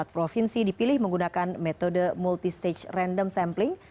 empat provinsi dipilih menggunakan metode multistage random sampling